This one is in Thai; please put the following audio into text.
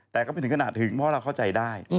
แต่ก็ไม่ถึงขนาดหึงเพราะเราเข้าใจได้